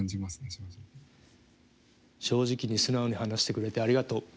正直に素直に話してくれてありがとう。